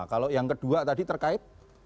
kalau yang kedua tadi terkait